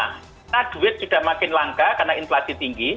karena duit sudah makin langka karena inflasi tinggi